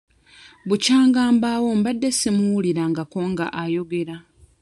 Bukyanga mbaawo mbadde simuwulirangako nga ayogera.